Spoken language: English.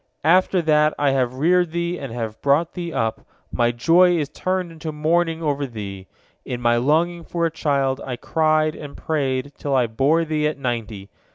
After that I have reared thee and have brought thee up, my joy is turned into mourning over thee. In my longing for a child, I cried and prayed, till I bore thee at ninety.